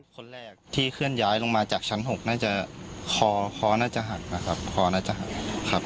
คนแรกที่เคลื่อนย้ายลงมาจากชั้น๖น่าจะคอคอน่าจะหักนะครับคอน่าจะหักครับ